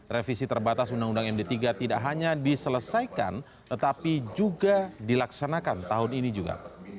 revisi terbatas undang undang md tiga tidak hanya diselesaikan tetapi juga dilaksanakan tahun ini juga